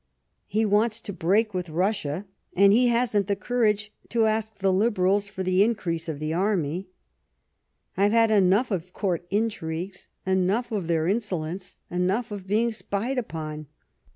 He wants to break with Russia, and he hasn't the courage to ask the Liberals for the increase of the Army. I've had enough of court intrigues ; enough of their insolence, enough of being spied upon.